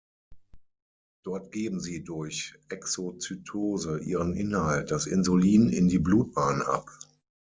Dort geben sie durch Exozytose ihren Inhalt, das Insulin, in die Blutbahn ab.